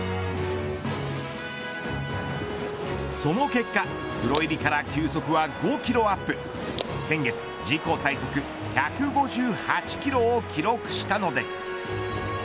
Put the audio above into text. その結果、プロ入りから球速は５キロアップ先月、自己最速１５８キロを記録したのです。